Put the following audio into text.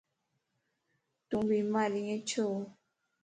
تون بيمار ائين ڇو؟